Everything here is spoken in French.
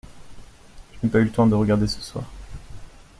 Je n’ai pas eu le temps de regarder ce soir.